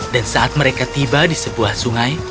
dan saat mereka tiba di sebuah sungai